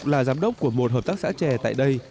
bà giám đốc của một hợp tác xã trẻ tại đây